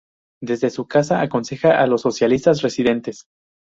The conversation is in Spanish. Desde su casa, aconseja a los socialistas resistentes.